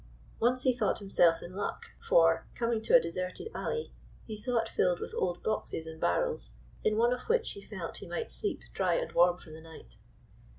Once he thought him self in luck ; for, coming to a deserted alley, he saw it filled with old boxes and barrels, in one of which he felt he might sleep dry and warm for the night.